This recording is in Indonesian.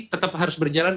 tetap harus berjalan